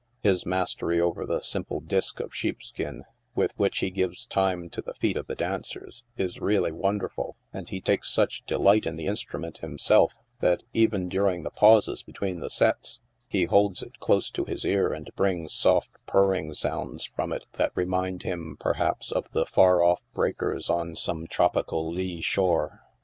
His mastery over the simple disk of sheep skin, with which he gives time to the feet of the dancers, is really wonderful, and he takes such delight in the instrument, himself, that even during the pauses between the sets he holds it close to his ear, and brings soft purring sounds from it that remind him, perhaps, of the far off breakers on some tropical lee shore.